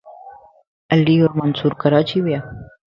علي اور منصور ڪراچي ويان